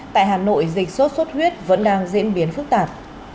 tại hà nội dịch sốt xuất huyết vẫn đang diễn biến phức tạp